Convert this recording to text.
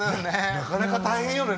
なかなか大変よね